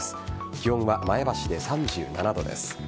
気温は前橋で３７度です。